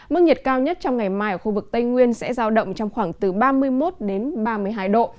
mức nhiệt cao nhất trong ngày mai ở khu vực tây nguyên sẽ giao động trong khoảng từ ba mươi một đến ba mươi hai độ